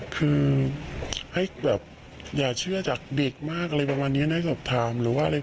คืออย่าเชื่อจากเด็กมากอะไรประมาณนี้ให้สอบถาม